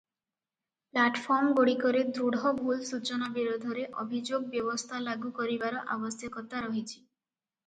ପ୍ଲାଟଫର୍ମଗୁଡ଼ିକରେ ଦୃଢ଼ ଭୁଲ ସୂଚନା ବିରୋଧରେ ଅଭିଯୋଗ ବ୍ୟବସ୍ଥା ଲାଗୁ କରିବାର ଆବଶ୍ୟକତା ରହିଛି ।